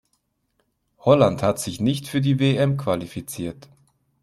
Holland hat sich nicht für die WM qualifiziert.